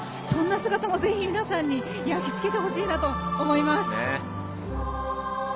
そんな姿も、ぜひ皆さんに焼き付けてほしいなと思います。